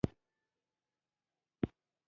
که څوک واک له لاسه ورکړي، ترې سپکه مو نه پرېږدو.